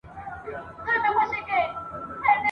د هوسیو د سویانو د پسونو !.